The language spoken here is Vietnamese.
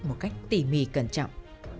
một cách tỉ mì cẩn trọng